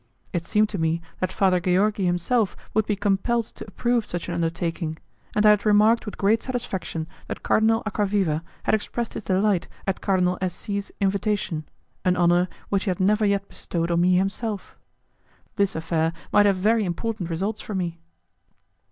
It seemed to me that Father Georgi himself would be compelled to approve such an undertaking, and I had remarked with great satisfaction that Cardinal Acquaviva had expressed his delight at Cardinal S. C.'s invitation an honour which he had never yet bestowed on me himself. This affair might have very important results for me.